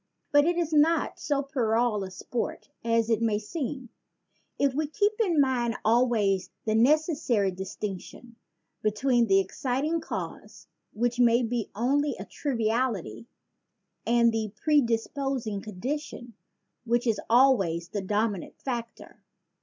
But it is not so puerile a sport as it may seem if we keep in mind always the necessary distinc tion between the exciting cause, which may be only a triviality and the predisposing condition, which is always the dominant factor.